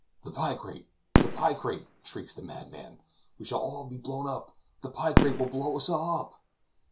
"The picrate! the picrate!" shrieks the madman; "we shall all be blown up! the picrate will blow us all up."